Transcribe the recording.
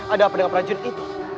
ada apa dengan prajurit itu